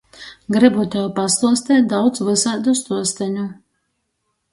Grybu tev pastuosteit daudz vysaidu stuosteņu!